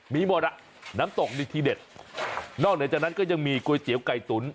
มีหมดอ่ะน้ำตกนี่ทีเด็ดนอกเหนือจากนั้นก็ยังมีก๋วยเตี๋ยวไก่ตุ๋น